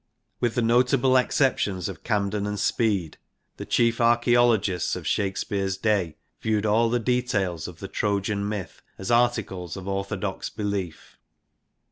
With the notable exceptions of Camden and Speed the chief archaeologists of Shakespeare's day viewed all the details of the Trojan myth as articles of orthodox belief.